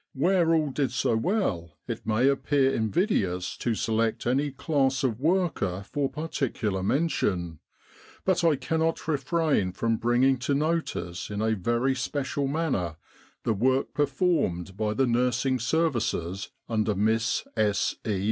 "Where all did so well, it may appear invidious to select any class of worker for particular mention, but I cannot refrain from bringing to notice in a very special manner the work performed by the Nursing Services under Miss S. E.